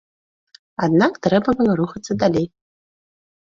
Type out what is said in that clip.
Аднак трэба было рухацца далей.